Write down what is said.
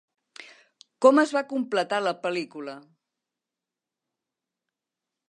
Com es va completar la pel·lícula?